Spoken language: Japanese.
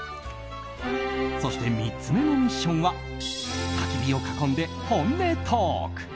そして３つ目のミッションはたき火を囲んで本音トーク。